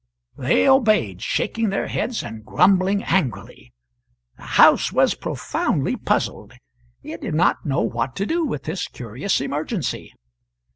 They obeyed, shaking their heads and grumbling angrily. The house was profoundly puzzled; it did not know what to do with this curious emergency.